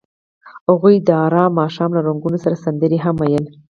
هغوی د آرام ماښام له رنګونو سره سندرې هم ویلې.